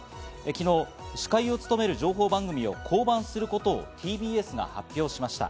昨日、司会を務める情報番組を降板することをＴＢＳが発表しました。